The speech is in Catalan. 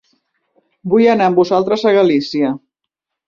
Vull anar amb vosaltres a Galícia.